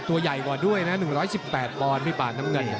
ตัวใหญ่กว่าด้วยนะ๑๑๘ปอนด์พี่ป่านน้ำเงิน